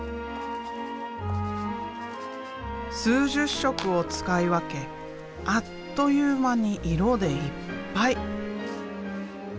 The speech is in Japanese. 数十色を使い分けあっという間に色でいっぱい。